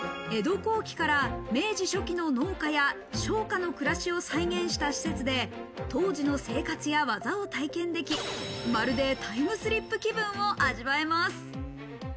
江戸後期から明治初期の農家や商家の暮らしを再現した施設で、当時の生活や技を体験でき、まるでタイムスリップした気分を味わえます。